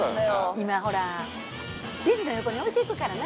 今ほらレジの横に置いていくからな。